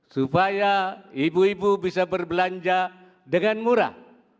supaya ibu ibu bisa berbelanja dengan murah